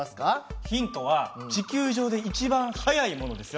ヒントは地球上で一番速いものですよ。